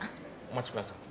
お待ちください。